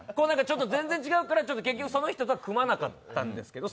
全然違うから、結局その人とは組まなかったんですけど。